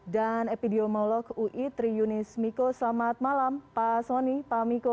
dan epidemiolog ui tri yunis miko selamat malam pak soni pak miko